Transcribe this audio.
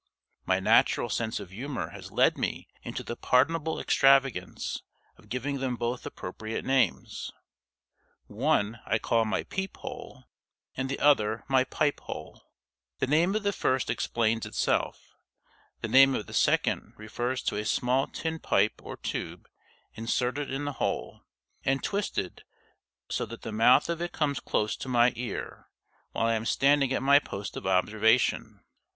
My natural sense of humor has led me into the pardonable extravagance of giving them both appropriate names. One I call my peep hole, and the other my pipe hole. The name of the first explains itself; the name of the second refers to a small tin pipe or tube inserted in the hole, and twisted so that the mouth of it comes close to my ear while I am standing at my post of observation.